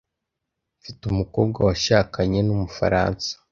Mfite umukobwa washakanye numufaransa .